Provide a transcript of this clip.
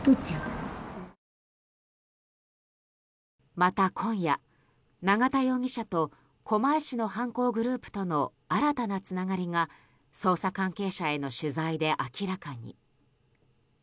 また今夜、永田容疑者と狛江市の犯行グループとの新たなつながりが捜査関係者への取材で明らかに。